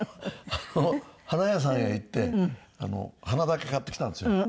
花屋さんへ行って花だけ買ってきたんですよ。